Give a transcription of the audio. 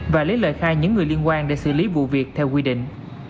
và lấy lời khai những người liên quan để xử lý vụ việc theo quy định